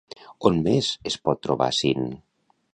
On més es pot trobar Syn?